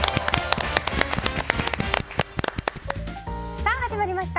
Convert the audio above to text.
さあ始まりました